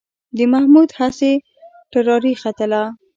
د محمود هسې ټراري ختله.